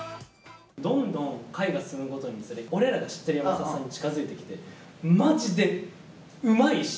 どんどん回が進むごとにつれ、俺らが知ってる山里さんに近づいてきて、まじでうまいし。